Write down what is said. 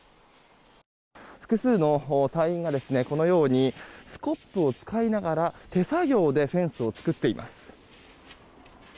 複数の隊員がスコップを使いながら手作業でフェンスを作っています。